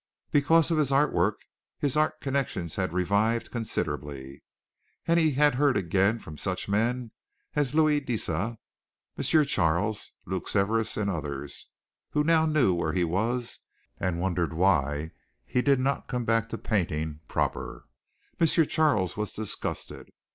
Because of his art work his art connections had revived considerably, and he had heard again from such men as Louis Deesa, M. Charles, Luke Severas, and others who now knew where he was and wondered why he did not come back to painting proper. M. Charles was disgusted.